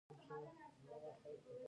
د سهار ناشته د ورځې مهم خواړه دي.